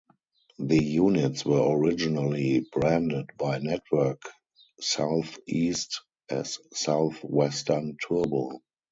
The units were originally branded by Network SouthEast as South Western Turbo.